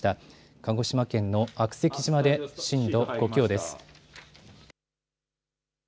鹿児島県の悪石島では震度５強です。